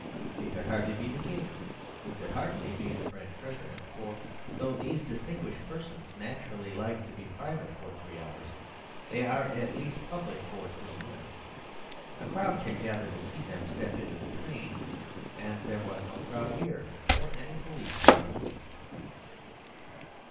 It could hardly be the King. It could hardly be the French President. For, though these distinguished persons naturally like to be private for three hours, they are at least public for three minutes. A crowd can gather to see them step into the train; and there was no crowd here, or any police ceremonial.